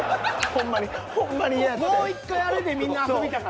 もう１回あれでみんな遊びたかったのに。